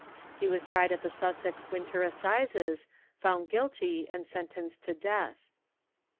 He was tried at the Sussex Winter Assizes, found guilty, and sentenced to death.